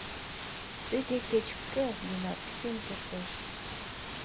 Тыге кеч-кӧ денат лийын кертеш...